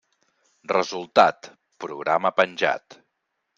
Resultat: programa penjat.